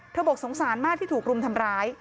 บอกสงสารมากที่ถูกรุมทำร้าย